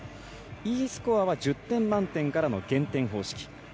Ｅスコアは１０点満点からの減点方式。